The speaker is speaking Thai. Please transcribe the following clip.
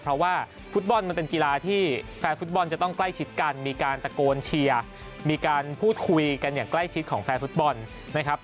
เพราะว่าฟุตบอลมันเป็นกีฬาที่แฟนฟุตบอลจะต้องใกล้ชิดกันมีการตะโกนเชียร์มีการพูดคุยกันอย่างใกล้ชิดของแฟนฟุตบอลนะครับ